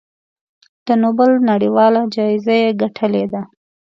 د نوبل نړیواله جایزه یې ګټلې ده.